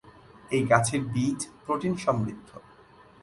এই গাছের বীজ প্রোটিন সমৃদ্ধ।